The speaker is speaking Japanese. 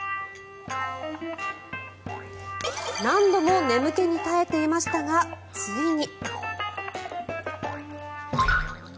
何度も眠気に耐えていましたがついに。